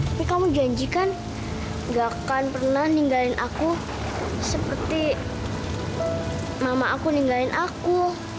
tapi kamu janjikan gak akan pernah ninggalin aku seperti mama aku ninggalin aku